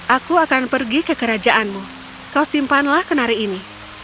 aku akan pergi ke kerajaanmu kau simpanlah kenari ini